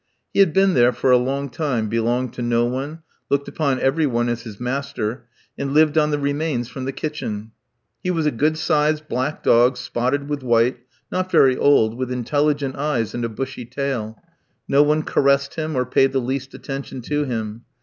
He had been there for a long time, belonged to no one, looked upon every one as his master, and lived on the remains from the kitchen. He was a good sized black dog, spotted with white, not very old, with intelligent eyes, and a bushy tail. No one caressed him or paid the least attention to him.